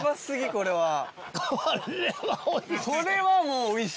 これはもうおいしいよ！